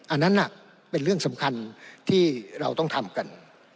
อันนั้นเป็นเรื่องสำคัญที่เราต้องทำกัน